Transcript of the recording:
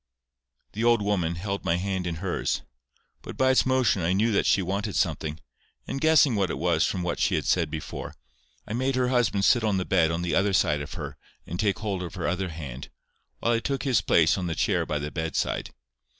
The old woman held my hand in hers; but by its motion I knew that she wanted something; and guessing what it was from what she had said before, I made her husband sit on the bed on the other side of her and take hold of her other hand, while I took his place on the chair by the bedside.